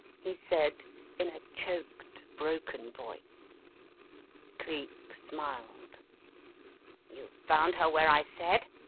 he said in a choked, broken voice. Cleek smiled. "You found her where I said?"